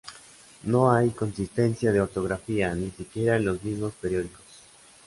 No hay consistencia de ortografía, ni siquiera en los mismos periódicos.